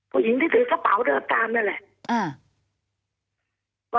ผู้หญิงที่ถือกระเป๋าเดินตามนั่นแหละ